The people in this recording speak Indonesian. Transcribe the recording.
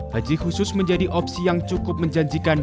haji khusus menjadi opsi yang cukup menjanjikan